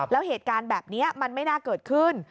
แล้วเหตุการณ์แบบนี้มันไม่น่าเกิดขึ้น